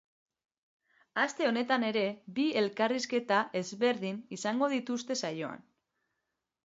Aste honetan ere bi elkarrizketa ezberdin izango dituzte saioan.